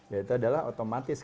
itu adalah otomatis kenapa kita puasa